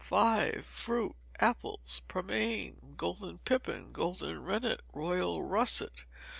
v. Fruit. Apples: Pearmain, golden pippin, golden rennet, royal russet.